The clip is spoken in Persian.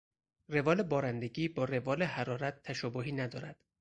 روال بارندگی با روال حرارت تشابهی ندارد.